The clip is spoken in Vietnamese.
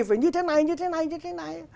phải như thế này như thế này như thế này